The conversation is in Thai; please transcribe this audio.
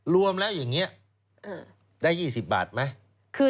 รวมแล้วอย่างนี้ได้๒๐บาทไหม